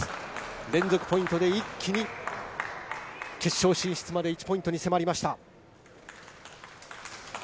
連続ポイントで一気に決勝進出まで１ポイントに迫りました。